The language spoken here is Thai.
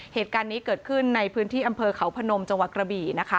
เหตุการณ์นี้เกิดขึ้นในพื้นที่อำเภอเขาพนมจังหวัดกระบี่นะคะ